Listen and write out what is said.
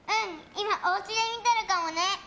今、おうちで見てるかもね！